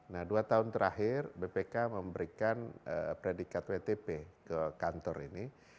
nah dua tahun terakhir bpk memberikan predikat wtp ke kantor ini